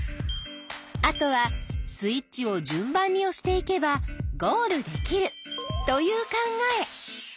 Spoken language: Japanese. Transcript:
あとはスイッチを順番におしていけばゴールできるという考え。